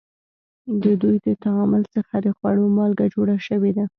د دوی د تعامل څخه د خوړو مالګه جوړه شوې ده.